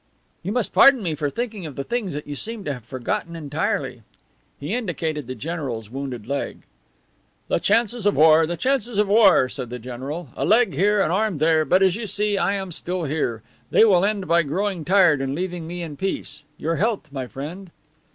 "You must pardon me for thinking of the things that you seem to have forgotten entirely." He indicated the general's wounded leg. "The chances of war! the chances of war!" said the general. "A leg here, an arm there. But, as you see, I am still here. They will end by growing tired and leaving me in peace. Your health, my friend!"